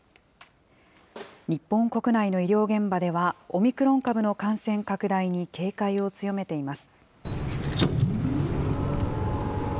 日本国内の医療現場では、オミクロン株の感染拡大に警戒を強めています。